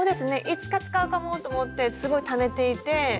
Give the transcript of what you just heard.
いつか使うかもと思ってすごいためていて。